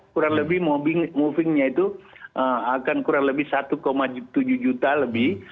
kurang lebih movingnya itu akan kurang lebih satu tujuh juta lebih